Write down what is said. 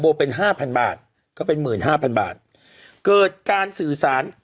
เป็นห้าพันบาทก็เป็นหมื่นห้าพันบาทเกิดการสื่อสาร